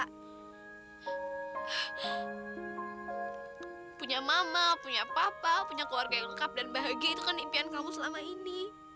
punya mama punya papa punya keluarga yang lengkap dan bahagia itu kan impian kamu selama ini